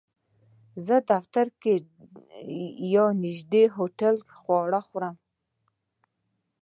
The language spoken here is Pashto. زه دفتر کې یا نږدې هوټل کې خواړه خورم